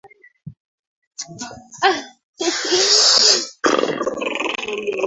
kwa shanga Wagikuyu wanauita Kenyata Kabila lake lilikuwa ni Mgikuyu Alisoma katika shule ya